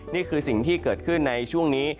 นี่คือสิ่งที่เกิดขึ้นในช่วงนี้